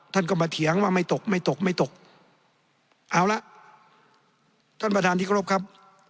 ท่านก็มาเถียงว่าไม่ตกไม่ตกไม่ตกเอาละท่านประธานที่เคารพครับ